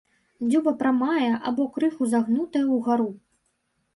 Дзюба прамая або крыху загнутая ўгару.